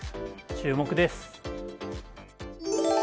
注目です。